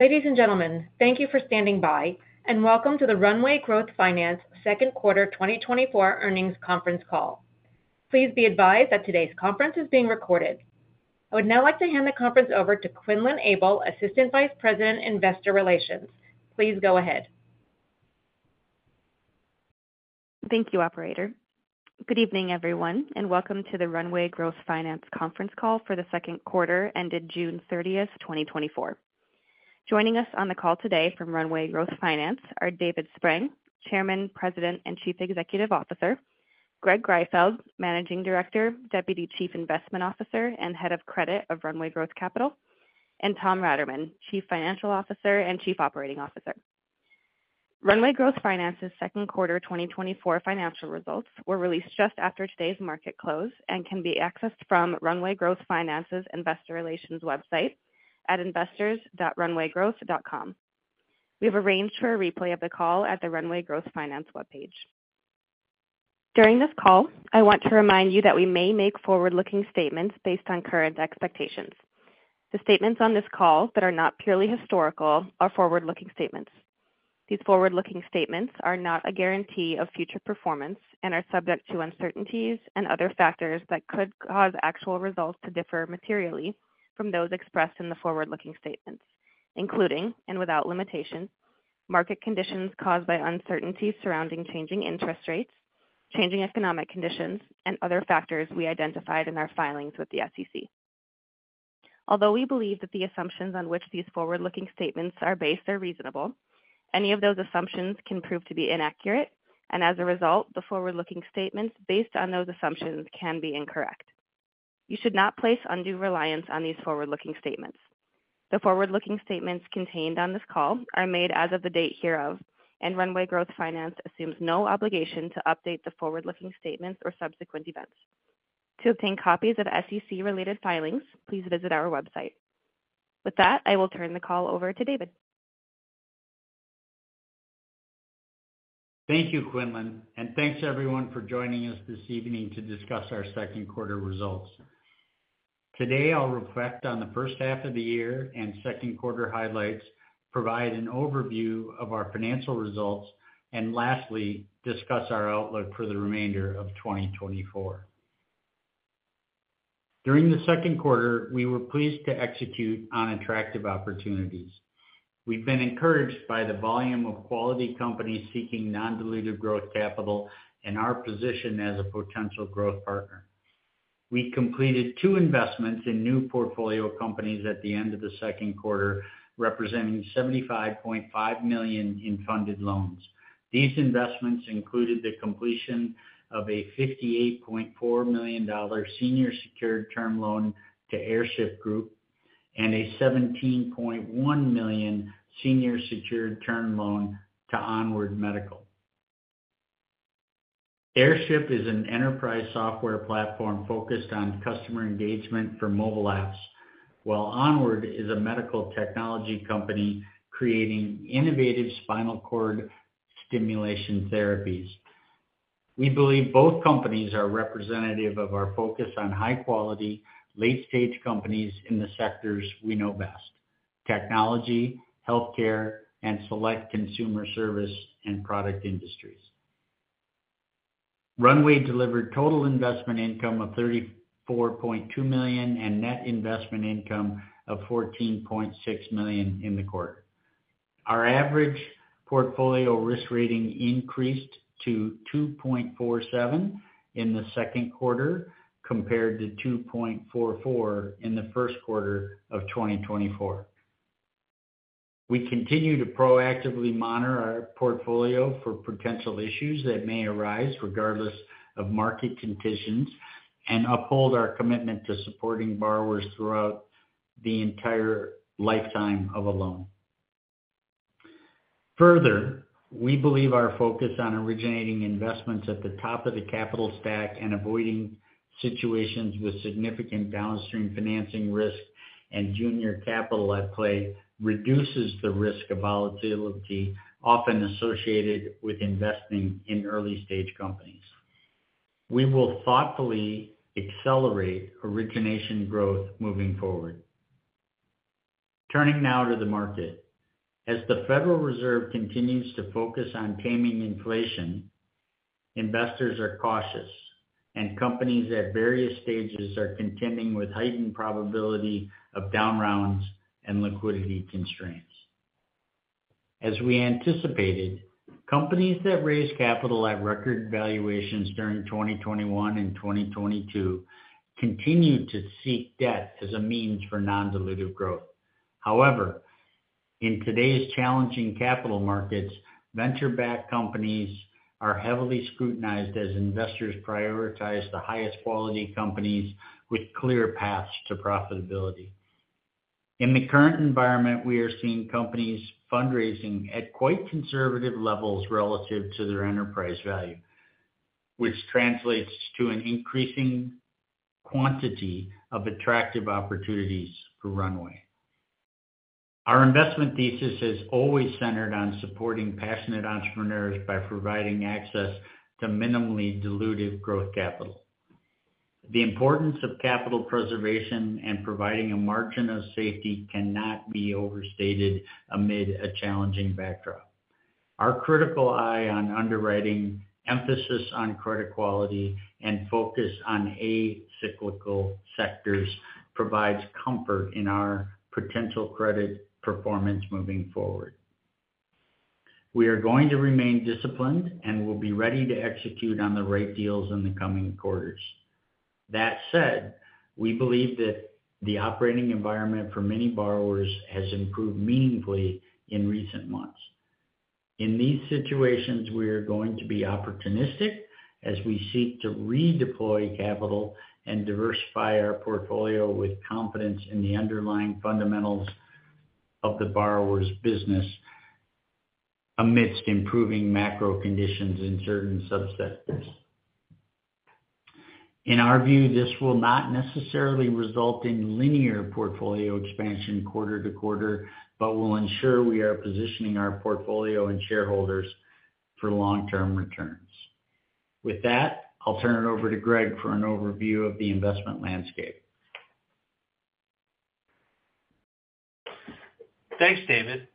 Ladies and gentlemen, thank you for standing by, and welcome to the Runway Growth Finance second quarter 2024 earnings conference call. Please be advised that today's conference is being recorded. I would now like to hand the conference over to Quinlan Abel, Assistant Vice President, Investor Relations. Please go ahead. Thank you, operator. Good evening, everyone, and welcome to the Runway Growth Finance conference call for the second quarter ended June 30, 2024. Joining us on the call today from Runway Growth Finance are David Spreng, Chairman, President, and Chief Executive Officer, Greg Greifeld, Managing Director, Deputy Chief Investment Officer, and Head of Credit of Runway Growth Capital, and Tom Raterman, Chief Financial Officer and Chief Operating Officer. Runway Growth Finance's second quarter 2024 financial results were released just after today's market close and can be accessed from Runway Growth Finance's investor relations website at investors.runwaygrowth.com. We have arranged for a replay of the call at the Runway Growth Finance webpage. During this call, I want to remind you that we may make forward-looking statements based on current expectations. The statements on this call that are not purely historical are forward-looking statements. These forward-looking statements are not a guarantee of future performance and are subject to uncertainties and other factors that could cause actual results to differ materially from those expressed in the forward-looking statements, including, and without limitation, market conditions caused by uncertainties surrounding changing interest rates, changing economic conditions, and other factors we identified in our filings with the SEC. Although we believe that the assumptions on which these forward-looking statements are based are reasonable, any of those assumptions can prove to be inaccurate, and as a result, the forward-looking statements based on those assumptions can be incorrect. You should not place undue reliance on these forward-looking statements. The forward-looking statements contained on this call are made as of the date hereof, and Runway Growth Finance assumes no obligation to update the forward-looking statements or subsequent events. To obtain copies of SEC-related filings, please visit our website. With that, I will turn the call over to David. Thank you, Quinlan, and thanks, everyone, for joining us this evening to discuss our second quarter results. Today, I'll reflect on the first half of the year and second quarter highlights, provide an overview of our financial results, and lastly, discuss our outlook for the remainder of 2024. During the second quarter, we were pleased to execute on attractive opportunities. We've been encouraged by the volume of quality companies seeking non-dilutive growth capital and our position as a potential growth partner. We completed 2 investments in new portfolio companies at the end of the second quarter, representing $75.5 million in funded loans. These investments included the completion of a $58.4 million senior secured term loan to Airship Group and a $17.1 million senior secured term loan to ONWARD Medical. Airship is an enterprise software platform focused on customer engagement for mobile apps, while Onward is a medical technology company creating innovative spinal cord stimulation therapies. We believe both companies are representative of our focus on high quality, late-stage companies in the sectors we know best: technology, healthcare, and select consumer service and product industries. Runway delivered total investment income of $34.2 million and net investment income of $14.6 million in the quarter. Our average portfolio risk rating increased to 2.47 in the second quarter, compared to 2.44 in the first quarter of 2024. We continue to proactively monitor our portfolio for potential issues that may arise regardless of market conditions and uphold our commitment to supporting borrowers throughout the entire lifetime of a loan. Further, we believe our focus on originating investments at the top of the capital stack and avoiding situations with significant downstream financing risk and junior capital at play reduces the risk of volatility often associated with investing in early-stage companies. We will thoughtfully accelerate origination growth moving forward. Turning now to the market. As the Federal Reserve continues to focus on taming inflation, investors are cautious, and companies at various stages are contending with heightened probability of down rounds and liquidity constraints. As we anticipated, companies that raised capital at record valuations during 2021 and 2022 continued to seek debt as a means for non-dilutive growth. However, in today's challenging capital markets, venture-backed companies are heavily scrutinized as investors prioritize the highest quality companies with clear paths to profitability. In the current environment, we are seeing companies fundraising at quite conservative levels relative to their enterprise value, which translates to an increasing quantity of attractive opportunities for Runway. Our investment thesis has always centered on supporting passionate entrepreneurs by providing access to minimally dilutive growth capital.... The importance of capital preservation and providing a margin of safety cannot be overstated amid a challenging backdrop. Our critical eye on underwriting, emphasis on credit quality, and focus on acyclical sectors provides comfort in our potential credit performance moving forward. We are going to remain disciplined, and we'll be ready to execute on the right deals in the coming quarters. That said, we believe that the operating environment for many borrowers has improved meaningfully in recent months. In these situations, we are going to be opportunistic as we seek to redeploy capital and diversify our portfolio with confidence in the underlying fundamentals of the borrower's business amidst improving macro conditions in certain subsectors. In our view, this will not necessarily result in linear portfolio expansion quarter to quarter, but will ensure we are positioning our portfolio and shareholders for long-term returns. With that, I'll turn it over to Greg for an overview of the investment landscape. Thanks, David.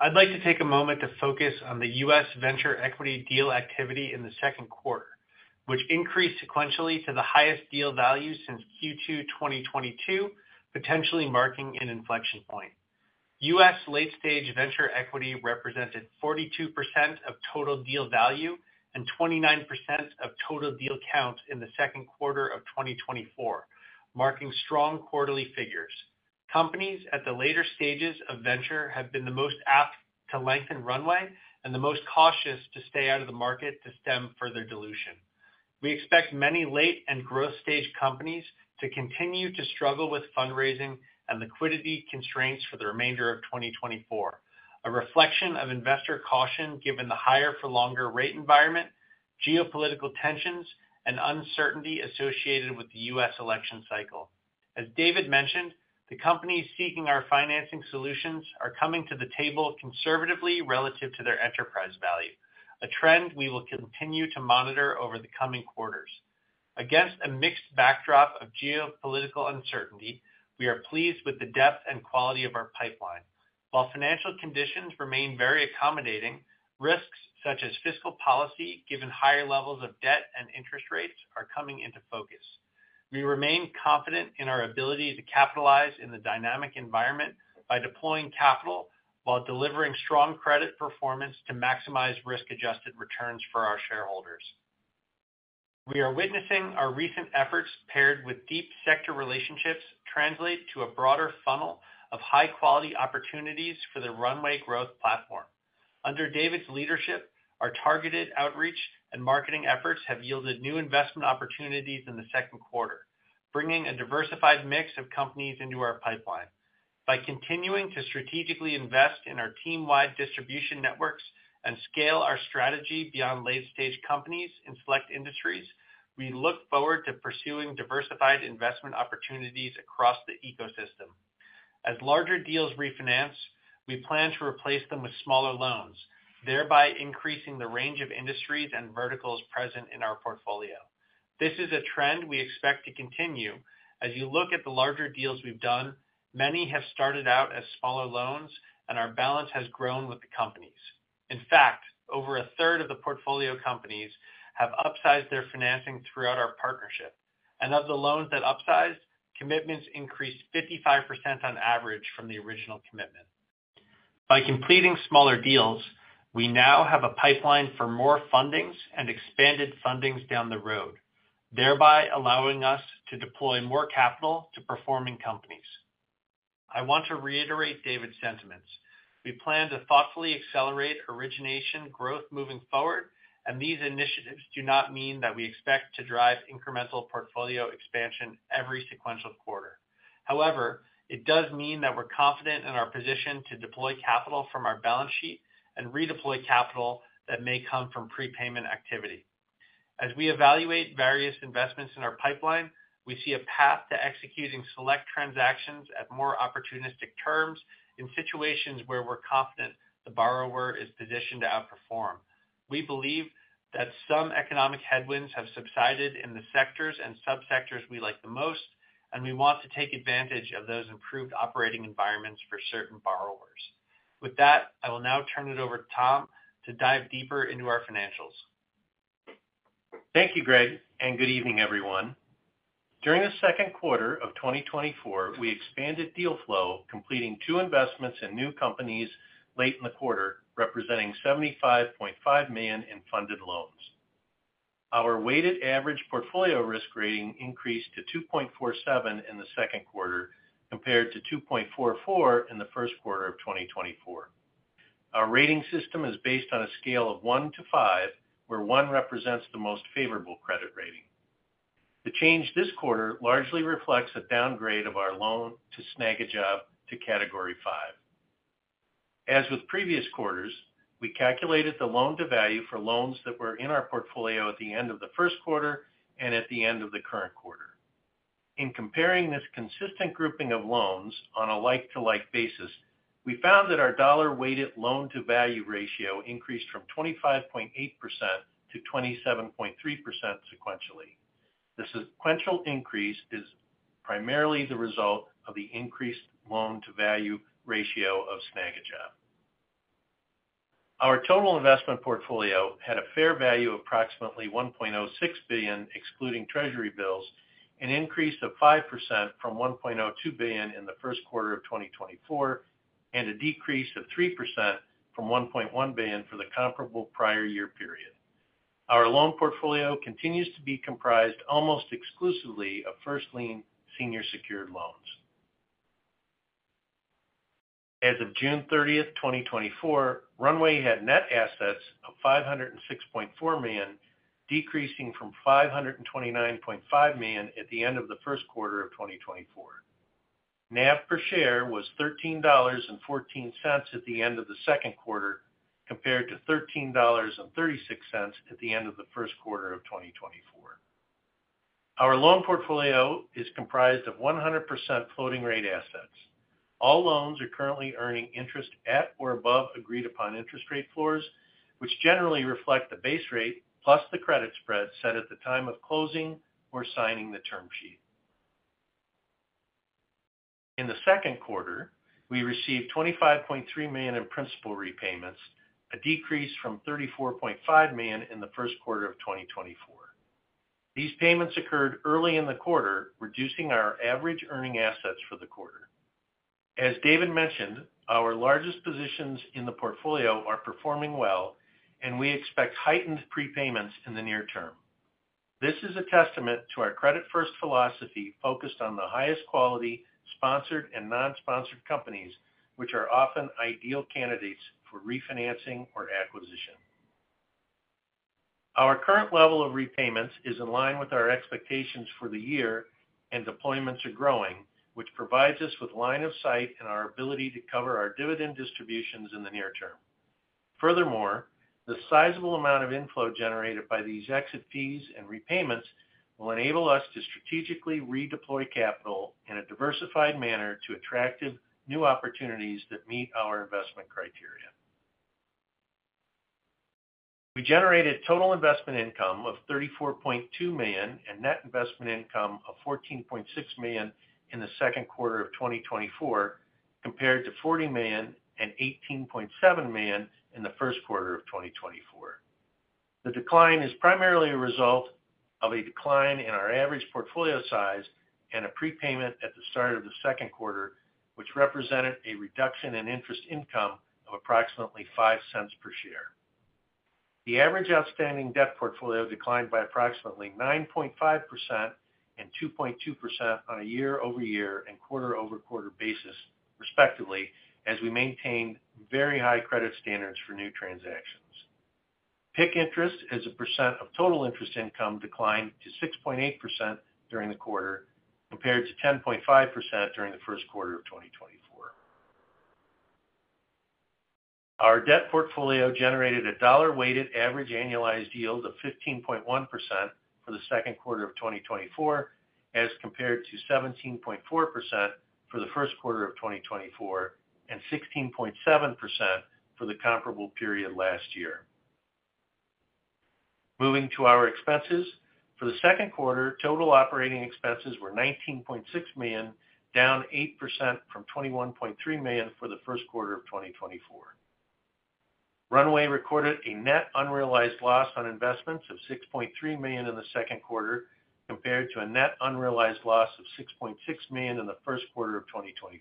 I'd like to take a moment to focus on the US venture equity deal activity in the second quarter, which increased sequentially to the highest deal value since Q2 2022, potentially marking an inflection point. US late-stage venture equity represented 42% of total deal value and 29% of total deal count in the second quarter of 2024, marking strong quarterly figures. Companies at the later stages of venture have been the most apt to lengthen runway and the most cautious to stay out of the market to stem further dilution. We expect many late and growth-stage companies to continue to struggle with fundraising and liquidity constraints for the remainder of 2024, a reflection of investor caution, given the higher-for-longer rate environment, geopolitical tensions, and uncertainty associated with the US election cycle. As David mentioned, the companies seeking our financing solutions are coming to the table conservatively relative to their enterprise value, a trend we will continue to monitor over the coming quarters. Against a mixed backdrop of geopolitical uncertainty, we are pleased with the depth and quality of our pipeline. While financial conditions remain very accommodating, risks such as fiscal policy, given higher levels of debt and interest rates, are coming into focus. We remain confident in our ability to capitalize in the dynamic environment by deploying capital while delivering strong credit performance to maximize risk-adjusted returns for our shareholders. We are witnessing our recent efforts, paired with deep sector relationships, translate to a broader funnel of high-quality opportunities for the Runway Growth platform. Under David's leadership, our targeted outreach and marketing efforts have yielded new investment opportunities in the second quarter, bringing a diversified mix of companies into our pipeline. By continuing to strategically invest in our team-wide distribution networks and scale our strategy beyond late-stage companies in select industries, we look forward to pursuing diversified investment opportunities across the ecosystem. As larger deals refinance, we plan to replace them with smaller loans, thereby increasing the range of industries and verticals present in our portfolio. This is a trend we expect to continue. As you look at the larger deals we've done, many have started out as smaller loans, and our balance has grown with the companies. In fact, over a third of the portfolio companies have upsized their financing throughout our partnership, and of the loans that upsized, commitments increased 55% on average from the original commitment. By completing smaller deals, we now have a pipeline for more fundings and expanded fundings down the road, thereby allowing us to deploy more capital to performing companies. I want to reiterate David's sentiments. We plan to thoughtfully accelerate origination growth moving forward, and these initiatives do not mean that we expect to drive incremental portfolio expansion every sequential quarter. However, it does mean that we're confident in our position to deploy capital from our balance sheet and redeploy capital that may come from prepayment activity. As we evaluate various investments in our pipeline, we see a path to executing select transactions at more opportunistic terms in situations where we're confident the borrower is positioned to outperform. We believe that some economic headwinds have subsided in the sectors and subsectors we like the most, and we want to take advantage of those improved operating environments for certain borrowers. With that, I will now turn it over to Tom to dive deeper into our financials. Thank you, Greg, and good evening, everyone. During the second quarter of 2024, we expanded deal flow, completing 2 investments in new companies late in the quarter, representing $75.5 million in funded loans. Our weighted average portfolio risk rating increased to 2.47 in the second quarter, compared to 2.44 in the first quarter of 2024. Our rating system is based on a scale of 1 to 5, where 1 represents the most favorable credit rating. The change this quarter largely reflects a downgrade of our loan to Snagajob to Category Five. As with previous quarters, we calculated the loan-to-value for loans that were in our portfolio at the end of the first quarter and at the end of the current quarter.... In comparing this consistent grouping of loans on a like-to-like basis, we found that our dollar-weighted loan-to-value ratio increased from 25.8% to 27.3% sequentially. The sequential increase is primarily the result of the increased loan-to-value ratio of Snagajob. Our total investment portfolio had a fair value of approximately $1.06 billion, excluding treasury bills, an increase of 5% from $1.02 billion in the first quarter of 2024, and a decrease of 3% from $1.1 billion for the comparable prior year period. Our loan portfolio continues to be comprised almost exclusively of first lien senior secured loans. As of June 30, 2024, Runway had net assets of $506.4 million, decreasing from $529.5 million at the end of the first quarter of 2024. NAV per share was $13.14 at the end of the second quarter, compared to $13.36 at the end of the first quarter of 2024. Our loan portfolio is comprised of 100% floating rate assets. All loans are currently earning interest at or above agreed-upon interest rate floors, which generally reflect the base rate, plus the credit spread set at the time of closing or signing the term sheet. In the second quarter, we received $25.3 million in principal repayments, a decrease from $34.5 million in the first quarter of 2024. These payments occurred early in the quarter, reducing our average earning assets for the quarter. As David mentioned, our largest positions in the portfolio are performing well, and we expect heightened prepayments in the near term. This is a testament to our credit-first philosophy, focused on the highest quality sponsored and non-sponsored companies, which are often ideal candidates for refinancing or acquisition. Our current level of repayments is in line with our expectations for the year, and deployments are growing, which provides us with line of sight and our ability to cover our dividend distributions in the near term. Furthermore, the sizable amount of inflow generated by these exit fees and repayments will enable us to strategically redeploy capital in a diversified manner to attractive new opportunities that meet our investment criteria. We generated total investment income of $34.2 million and net investment income of $14.6 million in the second quarter of 2024, compared to $40 million and $18.7 million in the first quarter of 2024. The decline is primarily a result of a decline in our average portfolio size and a prepayment at the start of the second quarter, which represented a reduction in interest income of approximately $0.05 per share. The average outstanding debt portfolio declined by approximately 9.5% and 2.2% on a year-over-year and quarter-over-quarter basis, respectively, as we maintained very high credit standards for new transactions. PIK interest as a percent of total interest income declined to 6.8% during the quarter, compared to 10.5% during the first quarter of 2024. Our debt portfolio generated a dollar-weighted average annualized yield of 15.1% for the second quarter of 2024, as compared to 17.4% for the first quarter of 2024, and 16.7% for the comparable period last year. Moving to our expenses. For the second quarter, total operating expenses were $19.6 million, down 8% from $21.3 million for the first quarter of 2024. Runway recorded a net unrealized loss on investments of $6.3 million in the second quarter, compared to a net unrealized loss of $6.6 million in the first quarter of 2024.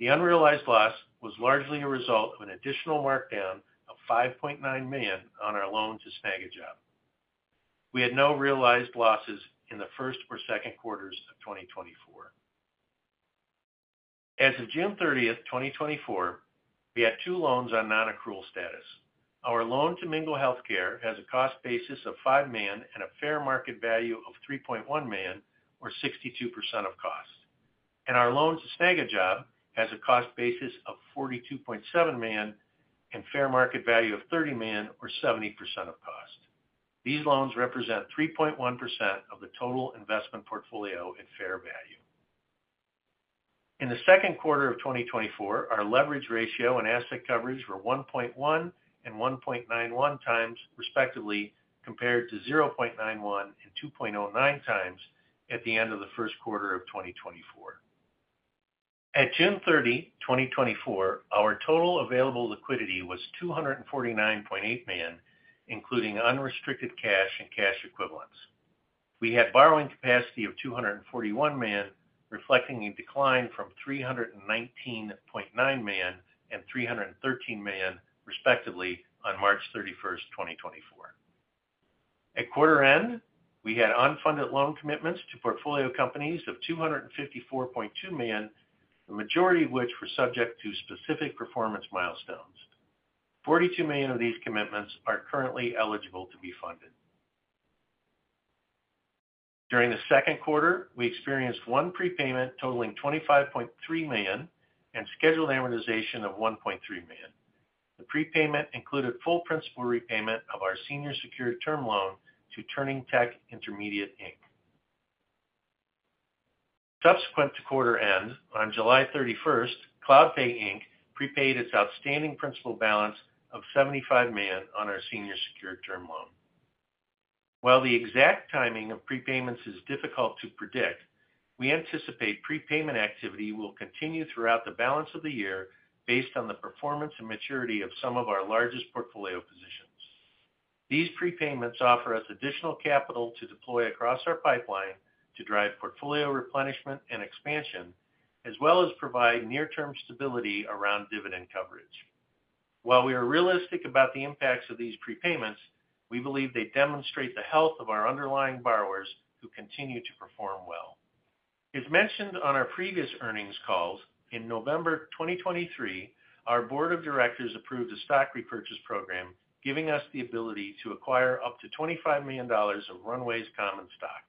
The unrealized loss was largely a result of an additional markdown of $5.9 million on our loan to Snagajob. We had no realized losses in the first or second quarters of 2024. As of June 30, 2024, we had two loans on non-accrual status. Our loan to Mingle Health has a cost basis of $5 million and a fair market value of $3.1 million, or 62% of cost. Our loan to Snagajob has a cost basis of $42.7 million and fair market value of $30 million, or 70% of cost. These loans represent 3.1% of the total investment portfolio at fair value. In the second quarter of 2024, our leverage ratio and asset coverage were 1.1 and 1.91 times, respectively, compared to 0.91 and 2.09 times at the end of the first quarter of 2024. At June 30, 2024, our total available liquidity was $249.8 million, including unrestricted cash and cash equivalents. We had borrowing capacity of $241 million, reflecting a decline from $319.9 million and $313 million, respectively, on March 31, 2024. At quarter end, we had unfunded loan commitments to portfolio companies of $254.2 million, the majority of which were subject to specific performance milestones. $42 million of these commitments are currently eligible to be funded. During the second quarter, we experienced one prepayment totaling $25.3 million and scheduled amortization of $1.3 million. The prepayment included full principal repayment of our senior secured term loan to Turning Tech Intermediate Inc. Subsequent to quarter end, on July 31, CloudPay Inc. prepaid its outstanding principal balance of $75 million on our senior secured term loan. While the exact timing of prepayments is difficult to predict, we anticipate prepayment activity will continue throughout the balance of the year based on the performance and maturity of some of our largest portfolio positions. These prepayments offer us additional capital to deploy across our pipeline to drive portfolio replenishment and expansion, as well as provide near-term stability around dividend coverage. While we are realistic about the impacts of these prepayments, we believe they demonstrate the health of our underlying borrowers, who continue to perform well. As mentioned on our previous earnings calls, in November 2023, our board of directors approved a stock repurchase program, giving us the ability to acquire up to $25 million of Runway's common stock.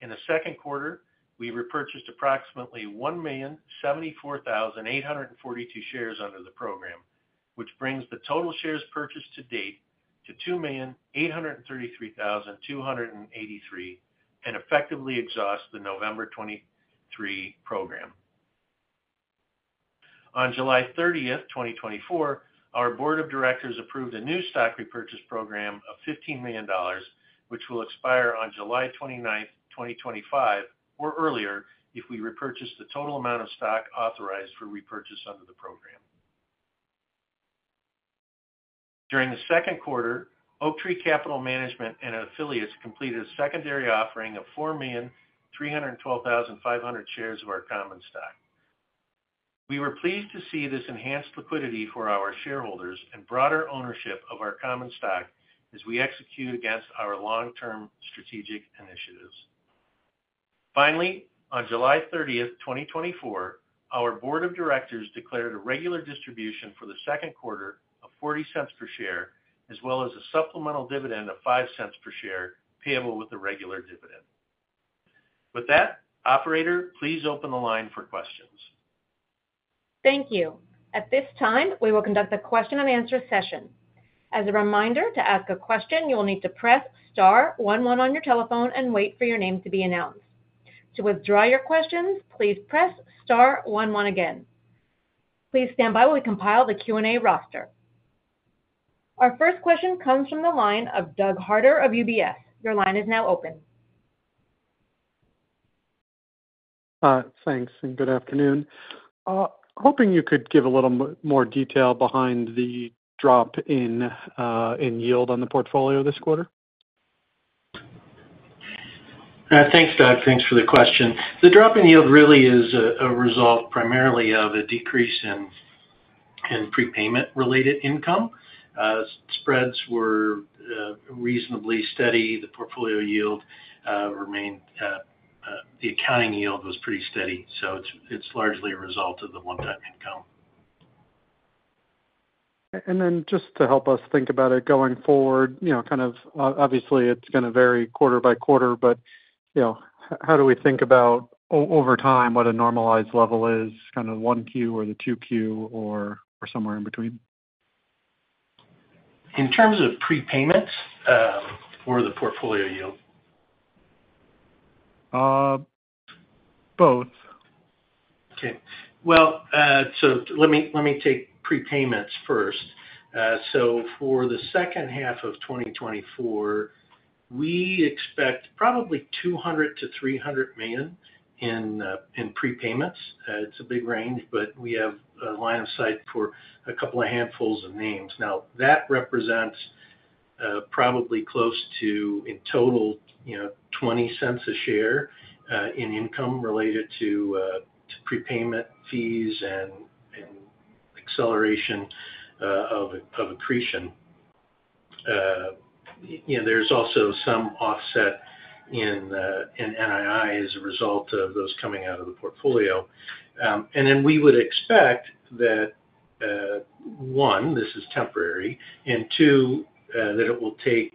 In the second quarter, we repurchased approximately 1,074,842 shares under the program, which brings the total shares purchased to date to 2,833,283, and effectively exhausts the November 2023 program. On July 30, 2024, our board of directors approved a new stock repurchase program of $15 million, which will expire on July 29, 2025, or earlier, if we repurchase the total amount of stock authorized for repurchase under the program. During the second quarter, Oaktree Capital Management and affiliates completed a secondary offering of 4,312,500 shares of our common stock. We were pleased to see this enhanced liquidity for our shareholders and broader ownership of our common stock as we execute against our long-term strategic initiatives. Finally, on July 30, 2024, our board of directors declared a regular distribution for the second quarter of $0.40 per share, as well as a supplemental dividend of $0.05 per share, payable with the regular dividend. With that, operator, please open the line for questions. Thank you. At this time, we will conduct a question-and-answer session. As a reminder, to ask a question, you will need to press star one one on your telephone and wait for your name to be announced. To withdraw your questions, please press star one one again. Please stand by while we compile the Q&A roster. Our first question comes from the line of Doug Harter of UBS. Your line is now open. Thanks, and good afternoon. Hoping you could give a little more detail behind the drop in yield on the portfolio this quarter? Thanks, Doug. Thanks for the question. The drop in yield really is a result primarily of a decrease in prepayment-related income. Spreads were reasonably steady. The portfolio yield remained. The accounting yield was pretty steady, so it's largely a result of the one-time income. Then just to help us think about it going forward, you know, kind of, obviously, it's gonna vary quarter by quarter, but, you know, how do we think about over time, what a normalized level is, kind of 1Q or the 2Q or somewhere in between? In terms of prepayments, or the portfolio yield? Uh, both. Okay. Well, so let me, let me take prepayments first. So for the second half of 2024, we expect probably $200 million-$300 million in prepayments. It's a big range, but we have a line of sight for a couple of handfuls of names. Now, that represents probably close to, in total, you know, $0.20 a share in income related to prepayment fees and acceleration of accretion. You know, there's also some offset in NII as a result of those coming out of the portfolio. And then we would expect that, one, this is temporary, and two, that it will take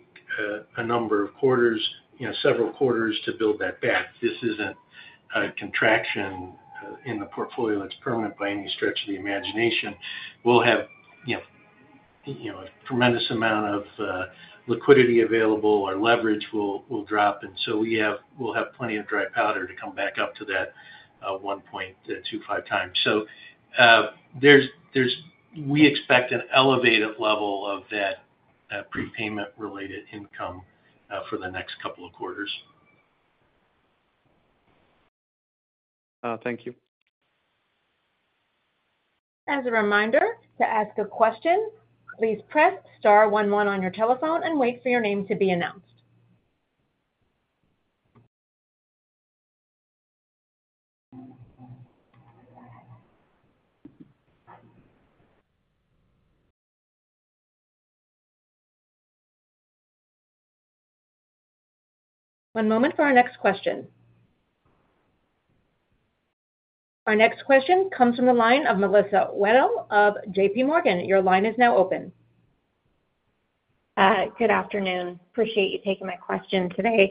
a number of quarters, you know, several quarters to build that back. This isn't a contraction in the portfolio that's permanent by any stretch of the imagination. We'll have, you know, a tremendous amount of liquidity available. Our leverage will drop, and so we'll have plenty of dry powder to come back up to that 1.25 times. So, we expect an elevated level of that prepayment-related income for the next couple of quarters. Thank you. As a reminder, to ask a question, please press star one one on your telephone and wait for your name to be announced. One moment for our next question. Our next question comes from the line of Melissa Wedel of J.P. Morgan. Your line is now open.... Good afternoon. Appreciate you taking my question today.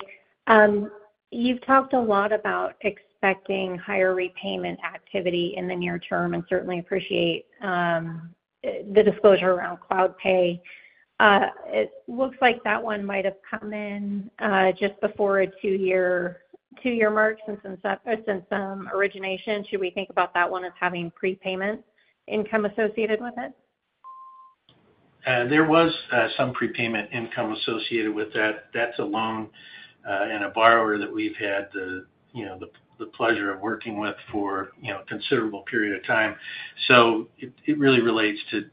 You've talked a lot about expecting higher repayment activity in the near term, and certainly appreciate the disclosure around CloudPay. It looks like that one might have come in just before a two-year mark since some origination. Should we think about that one as having prepayment income associated with it? There was some prepayment income associated with that. That's a loan and a borrower that we've had the, you know, the pleasure of working with for, you know, a considerable period of time. So it really relates to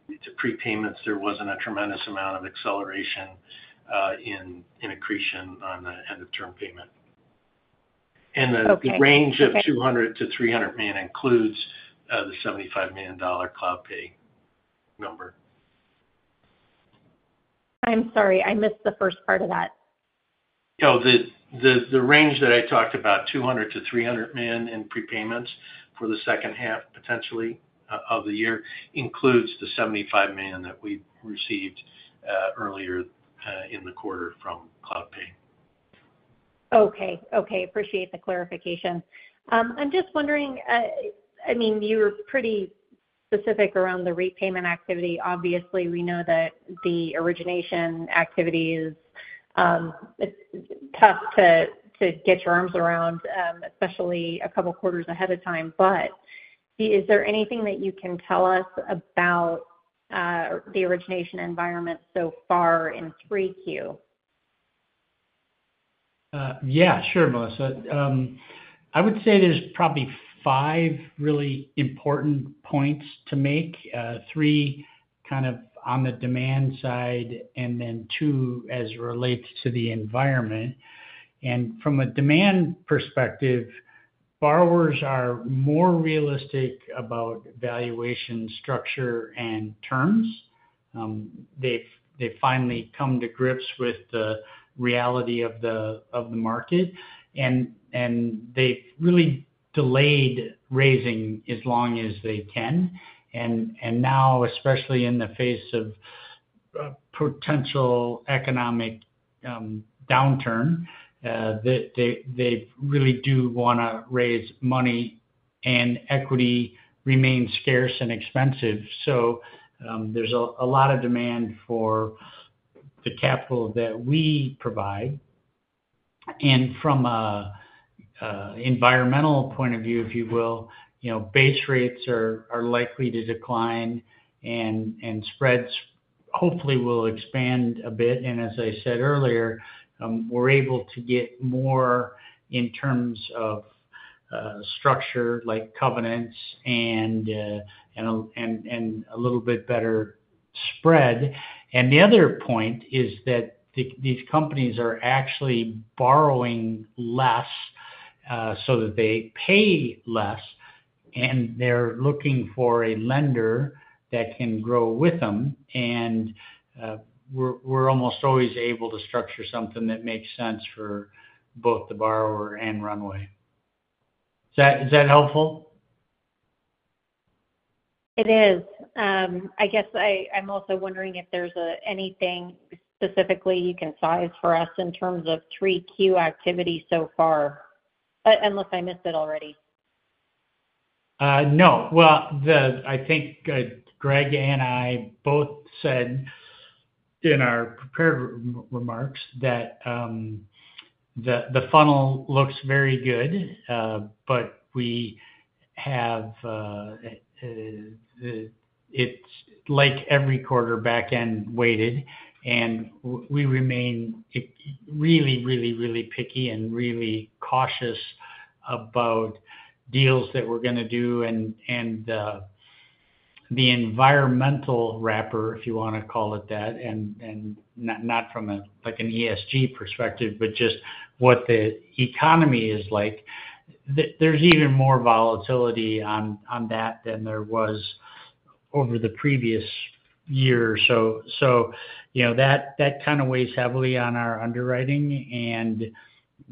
prepayments. There wasn't a tremendous amount of acceleration in accretion on the end of term payment. Okay. The range of $200 million-$300 million includes the $75 million CloudPay number. I'm sorry, I missed the first part of that. You know, the range that I talked about, $200 million-$300 million in prepayments for the second half, potentially, of the year, includes the $75 million that we received earlier in the quarter from CloudPay. Okay. Okay, appreciate the clarification. I'm just wondering, I mean, you were pretty specific around the repayment activity. Obviously, we know that the origination activity is, it's tough to get your arms around, especially a couple quarters ahead of time. But is there anything that you can tell us about the origination environment so far in 3Q? Yeah, sure, Melissa. I would say there's probably 5 really important points to make, 3 kind of on the demand side, and then 2 as it relates to the environment. From a demand perspective, borrowers are more realistic about valuation, structure, and terms. They've finally come to grips with the reality of the market, and they've really delayed raising as long as they can. Now, especially in the face of a potential economic downturn, they really do wanna raise money, and equity remains scarce and expensive. So, there's a lot of demand for the capital that we provide. From an environmental point of view, if you will, you know, base rates are likely to decline, and spreads hopefully will expand a bit. And as I said earlier, we're able to get more in terms of structure like covenants and a little bit better spread. And the other point is that these companies are actually borrowing less, so that they pay less, and they're looking for a lender that can grow with them, and we're almost always able to structure something that makes sense for both the borrower and Runway. Is that helpful? It is. I guess I'm also wondering if there's anything specifically you can size for us in terms of 3Q activity so far. Unless I missed it already. No. Well, I think Greg and I both said in our prepared remarks that the funnel looks very good, but it's like every quarter, back-end weighted, and we remain really, really, really picky and really cautious about deals that we're gonna do. The environmental wrapper, if you wanna call it that, and not from a, like, an ESG perspective, but just what the economy is like, there's even more volatility on that than there was over the previous year or so. So, you know, that kind of weighs heavily on our underwriting, and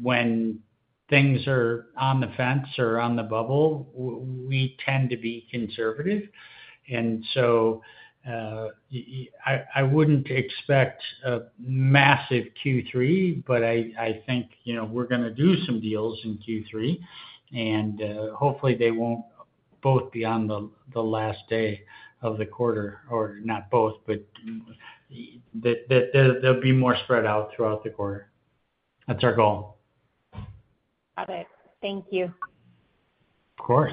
when things are on the fence or on the bubble, we tend to be conservative. And so, I wouldn't expect a massive Q3, but I think, you know, we're gonna do some deals in Q3, and hopefully, they won't both be on the last day of the quarter, or not both, but they'll be more spread out throughout the quarter. That's our goal. Got it. Thank you. Of course.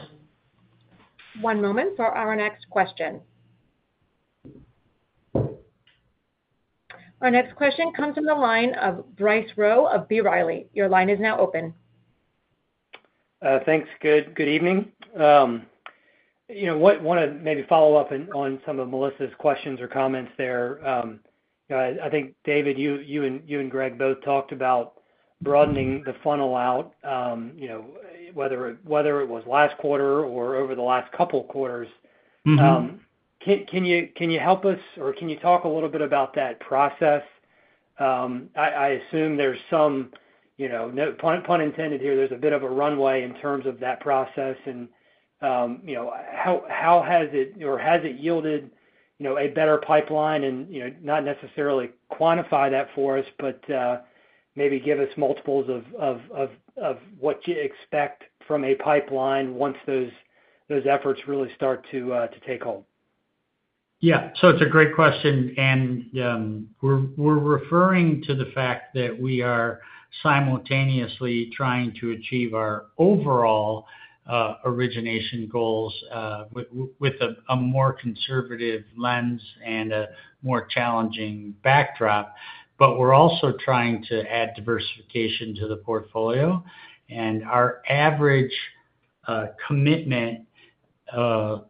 One moment for our next question. Our next question comes from the line of Bryce Rowe of B. Riley. Your line is now open. Thanks. Good evening. You know, wanna maybe follow up on some of Melissa's questions or comments there. I think, David, you and Greg both talked about broadening the funnel out, you know, whether it was last quarter or over the last couple quarters. Mm-hmm. Can you help us, or can you talk a little bit about that process? I assume there's some, you know, no pun intended here, there's a bit of a runway in terms of that process. And, you know, how has it or has it yielded, you know, a better pipeline? And, you know, not necessarily quantify that for us, but maybe give us multiples of what you expect from a pipeline once those efforts really start to take hold. Yeah. So it's a great question, and we're, we're referring to the fact that we are simultaneously trying to achieve our overall origination goals with, with a more conservative lens and a more challenging backdrop. But we're also trying to add diversification to the portfolio, and our average commitment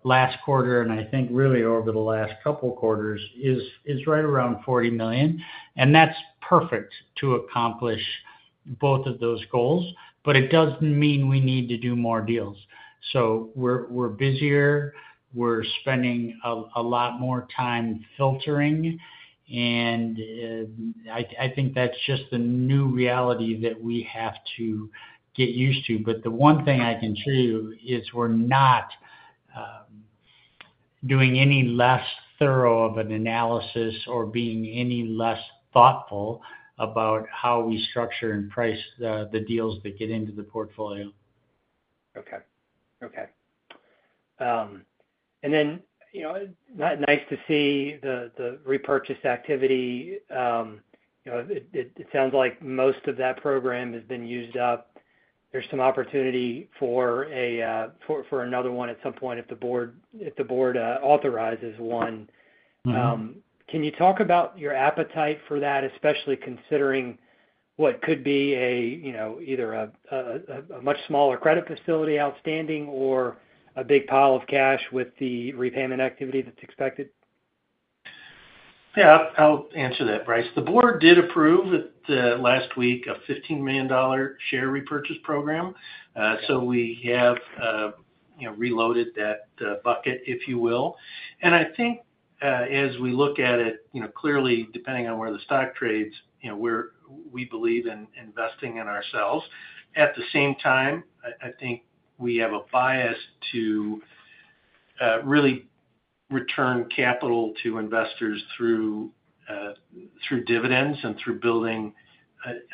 last quarter, and I think really over the last couple quarters, is right around $40 million. And that's perfect to accomplish both of those goals, but it doesn't mean we need to do more deals. So we're busier, we're spending a lot more time filtering, and I think that's just the new reality that we have to get used to. But the one thing I can tell you is we're not doing any less thorough of an analysis or being any less thoughtful about how we structure and price the deals that get into the portfolio. Okay. Okay. And then, you know, nice to see the repurchase activity. You know, it sounds like most of that program has been used up. There's some opportunity for another one at some point if the board authorizes one. Mm-hmm. Can you talk about your appetite for that, especially considering what could be, you know, either a much smaller credit facility outstanding or a big pile of cash with the repayment activity that's expected? Yeah, I'll answer that, Bryce. The board did approve at last week a $15 million share repurchase program. So we have, you know, reloaded that bucket, if you will. And I think, as we look at it, you know, clearly, depending on where the stock trades, you know, we believe in investing in ourselves. At the same time, I think we have a bias to really return capital to investors through dividends and through building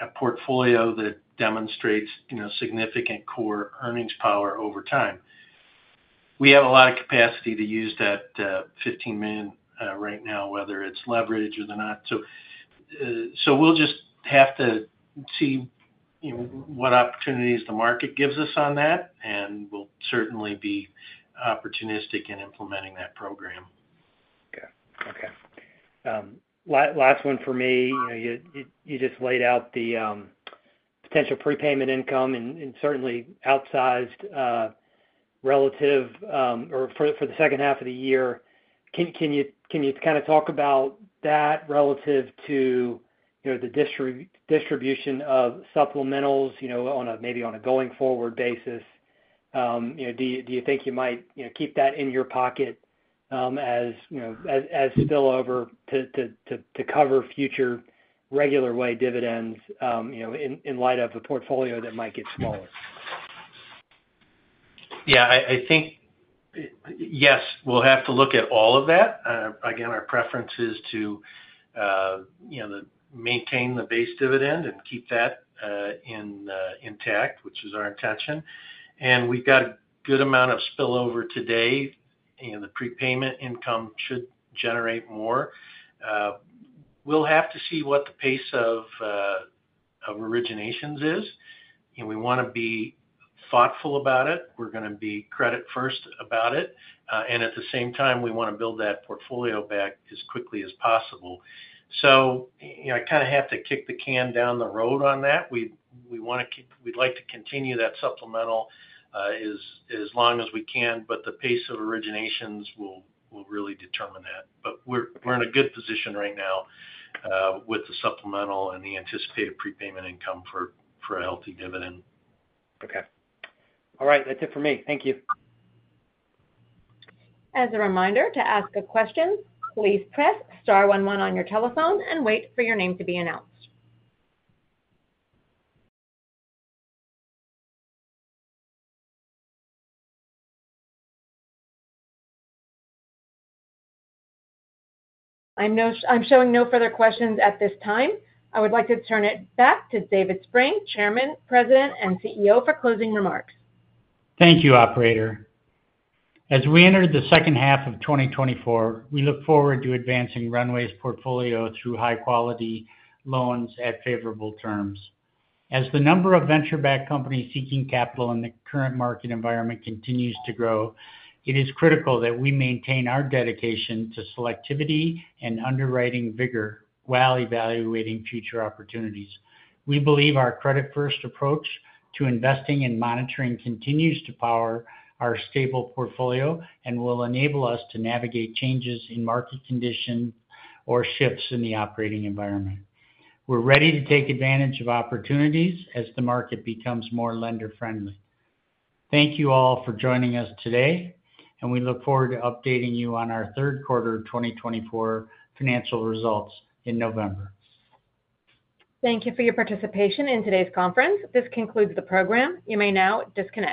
a portfolio that demonstrates, you know, significant core earnings power over time. We have a lot of capacity to use that $15 million right now, whether it's leverage or not. So we'll just have to see, you know, what opportunities the market gives us on that, and we'll certainly be opportunistic in implementing that program. Okay. Okay. Last one for me. You, you just laid out the, potential prepayment income and, and certainly outsized, relative, or for, for the second half of the year. Can, can you, can you kind of talk about that relative to, you know, the distribution of supplementals, you know, on a, maybe on a going-forward basis? You know, do you, do you think you might, you know, keep that in your pocket, as, you know, as, as spillover to, to, to, to cover future regular way dividends, you know, in, in light of a portfolio that might get smaller? Yeah, I think... Yes, we'll have to look at all of that. Again, our preference is to, you know, maintain the base dividend and keep that intact, which is our intention. And we've got a good amount of spillover today, and the prepayment income should generate more. We'll have to see what the pace of originations is, and we want to be thoughtful about it. We're going to be credit first about it. And at the same time, we want to build that portfolio back as quickly as possible. So, you know, I kind of have to kick the can down the road on that. We'd like to continue that supplemental as long as we can, but the pace of originations will really determine that. But we're in a good position right now with the supplemental and the anticipated prepayment income for a healthy dividend. Okay. All right, that's it for me. Thank you. As a reminder, to ask a question, please press star one one on your telephone and wait for your name to be announced. I'm showing no further questions at this time. I would like to turn it back to David Spreng, Chairman, President, and CEO, for closing remarks. Thank you, operator. As we enter the second half of 2024, we look forward to advancing Runway's portfolio through high-quality loans at favorable terms. As the number of venture-backed companies seeking capital in the current market environment continues to grow, it is critical that we maintain our dedication to selectivity and underwriting vigor while evaluating future opportunities. We believe our credit-first approach to investing and monitoring continues to power our stable portfolio and will enable us to navigate changes in market conditions or shifts in the operating environment. We're ready to take advantage of opportunities as the market becomes more lender-friendly. Thank you all for joining us today, and we look forward to updating you on our third quarter 2024 financial results in November. Thank you for your participation in today's conference. This concludes the program. You may now disconnect.